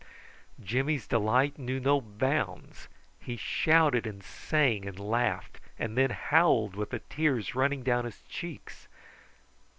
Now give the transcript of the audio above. Jimmy's delight knew no bounds. He shouted and sang and laughed, and then howled, with the tears running down his cheeks.